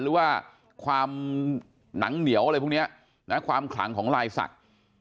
หรือว่าความหนังเหนียวอะไรพวกนี้นะความขลังของลายศักดิ์